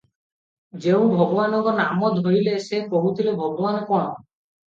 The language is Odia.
ଯେଉଁ ଭଗବାନଙ୍କ ନାମ ଧଇଲେ ସେ କହୁଥିଲେ ଭଗବାନ୍ କଣ?